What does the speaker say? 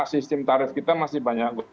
sistem tarif kita masih banyak